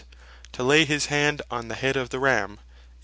"to Lay his Hand on the head of the ramme."